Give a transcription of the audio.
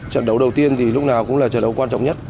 trận đấu đầu tiên thì lúc nào cũng là trận đấu quan trọng nhất